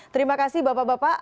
terima kasih bapak bapak